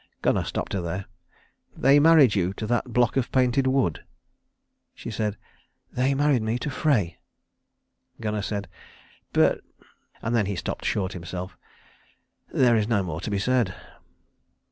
Gunnar stopped her here. "They married you to that block of painted wood?" She said, "They married me to Frey." Gunnar said, "But " and then he stopped short himself. "There is no more to be said."